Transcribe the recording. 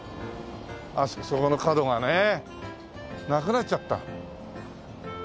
そこの角がねなくなっちゃった。